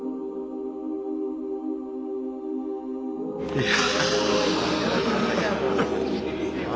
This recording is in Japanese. いや。